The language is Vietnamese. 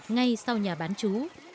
ngay sau nhà bán chú